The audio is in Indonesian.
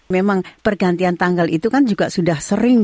memang pergantian tanggal itu kan juga sudah sering